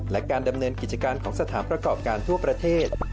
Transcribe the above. และการดำเนินกิจการของสถานประกอบการทั่วประเทศ